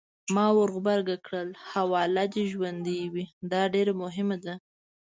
ما ورغبرګه کړل: حواله دې ژوندۍ وي! دا ډېره مهمه ده.